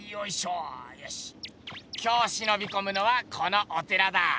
今日しのびこむのはこのお寺だ！